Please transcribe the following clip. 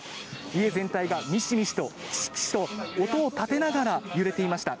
家全体がミシミシ、キシキシと音を立てながら揺れていました。